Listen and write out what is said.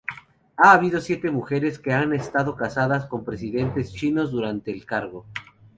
Ha habido siete mujeres que han estado casadas con presidentes chinos durante el cargo.